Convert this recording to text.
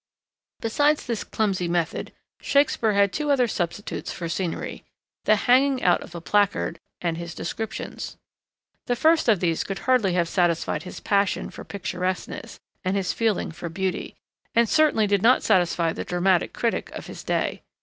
Besides this clumsy method, Shakespeare had two other substitutes for scenery the hanging out of a placard, and his descriptions. The first of these could hardly have satisfied his passion for picturesqueness and his feeling for beauty, and certainly did not satisfy the dramatic critic of his day.